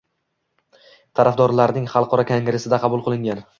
Tarafdorlarning xalqaro kongressida qabul qilingan.